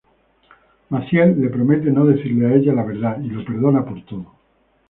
Maciel le promete no decirle a ella la verdad y lo perdona por todo.